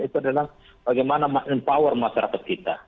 itu adalah bagaimana mark empower masyarakat kita